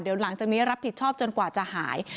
เดี๋ยวหลังจากนี้รับผิดชอบจนกว่าจะหาย